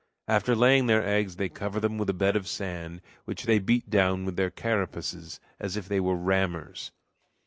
After laying their eggs they cover them with a bed of sand, which they beat down with their carapaces as if they were rammers.